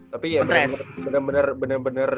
tapi ya bener bener